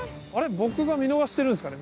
僕が見逃してるんですかね。